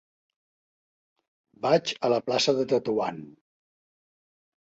Vaig a la plaça de Tetuan.